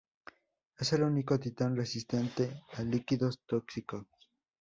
Es el único titan resistente a líquidos tóxicos.